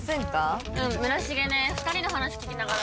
村重ね２人の話聞きながら。